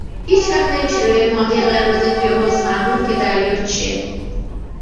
هیچ وقت نمي شه به يه ماهى قرمز تو حوض فهموند كه دريا چیه